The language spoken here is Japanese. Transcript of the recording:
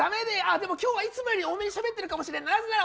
あ、でも今日はいつもより多めにしゃべってるかもしれないです。